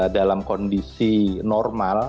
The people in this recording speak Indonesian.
dalam kondisi normal